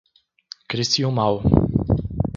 Crissiumal